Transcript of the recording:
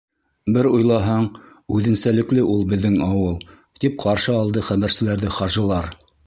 — Бер уйлаһаң, үҙенсәлекле ул беҙҙең ауыл, — тип ҡаршы алды хәбәрселәрҙе хажылар.